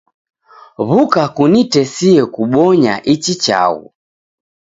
W'uka kuitesie kubonya ichi chaghu